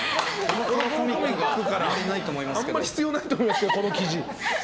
あまり必要ないと思いますけど、この記事。